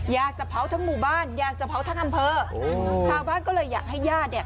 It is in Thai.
อยากจะเผาทั้งหมู่บ้านอยากจะเผาทั้งอำเภอชาวบ้านก็เลยอยากให้ญาติเนี่ย